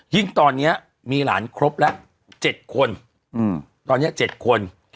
ยิ่งตอนเนี้ยมีหลานครบแล้วเจ็ดคนอืมตอนเนี้ยเจ็ดคน